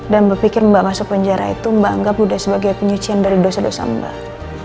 dan mbak pikir mbak masuk penjara itu mbak anggap udah sebagai penyucian dari dosa dosa mbak